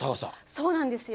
そうなんですよ。